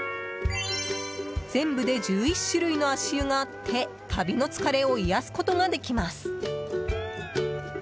全部で１１種類の足湯があって旅の疲れを癒やすことができます。